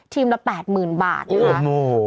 ทีมละ๘หมื่นบาทโอ้โห